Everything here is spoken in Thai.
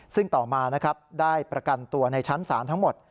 ซึ่งต่อมานะครับได้ประกันตัวในชั้นศาลทั้งหมด